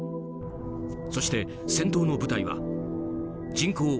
そして、戦闘の舞台は人口